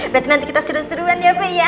berarti nanti kita seru seruan ya bu ya